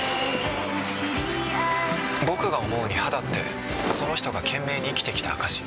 僕が思うに肌ってその人が懸命に生きてきた証し。